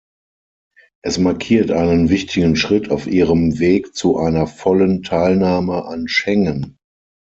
Es markiert einen wichtigen Schritt auf ihrem Weg zu einer vollen Teilnahme an Schengen.